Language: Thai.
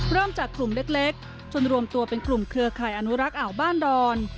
เริ่มจากกลุ่มเล็กจนรวมตัวเป็นกลุ่มเครือข่ายอนุรักษ์อ่าวบ้านดอน